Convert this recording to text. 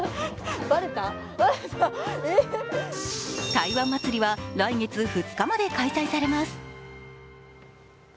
台湾祭は来月２日まで開催されます。